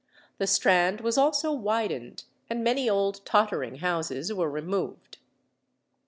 The Strand was also widened, and many old tottering houses were removed.